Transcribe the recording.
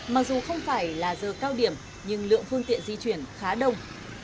mặc dù không phải là giờ cao điểm nhưng lượng phương tiện di chuyển khá đông